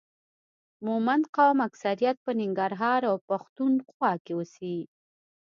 مومند قوم اکثریت په ننګرهار او پښتون خوا کې اوسي